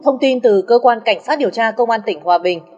thông tin từ cơ quan cảnh sát điều tra công an tỉnh hòa bình